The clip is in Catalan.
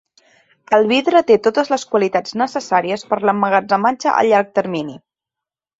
El vidre té totes les qualitats necessàries per l'emmagatzematge a llarg termini.